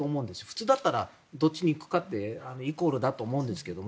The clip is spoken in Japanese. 普通だったらどっちに行くかってイコールだと思うんですけど。